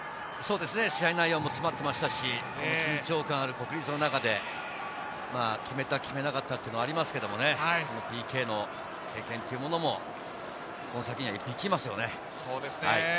試合内容も詰まってましたし、緊張感のある国立の中で決めた、決めなかったはありますけれど、ＰＫの経験というものもこの先には生きますよね。